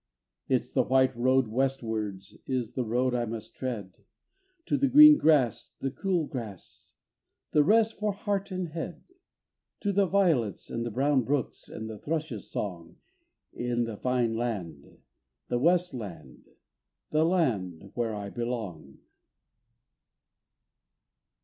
It's the white road westwards is the road I must tread To the green grass, the cool grass, and rest for heart and head, To the violets and the brown brooks and the thrushes' song In the fine land, the west land, the land where I belong.